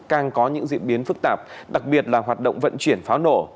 càng có những diễn biến phức tạp đặc biệt là hoạt động vận chuyển pháo nổ